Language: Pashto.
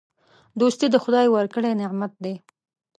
دوستي د خدای ورکړی نعمت دی.